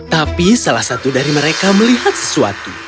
tapi salah satu dari mereka melihat sesuatu